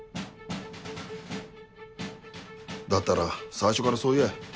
だったら最初からそう言え。